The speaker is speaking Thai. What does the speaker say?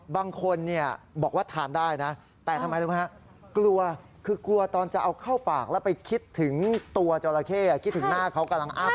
บางคนบอกว่าทานได้นะแต่ทำไมรู้ไหมฮะกลัวคือกลัวตอนจะเอาเข้าปากแล้วไปคิดถึงตัวจราเข้คิดถึงหน้าเขากำลังอัพ